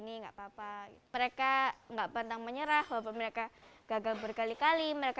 nggak papa mereka enggak pantang menyerah walaupun mereka gagal berkali kali mereka